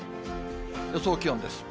予想気温です。